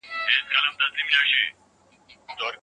هغه په تشه کوټه کې له ځان سره د تېرو وختونو بڼېدا کوله.